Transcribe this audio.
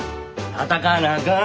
闘わなあかん。